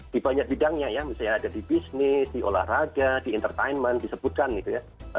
di banyak bidangnya ya misalnya ada di bisnis di olahraga di entertainment disebutkan gitu ya